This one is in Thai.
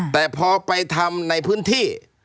แต่พอไปทำในพื้นที่